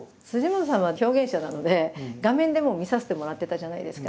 本さんは表現者なので画面でもう見させてもらってたじゃないですか。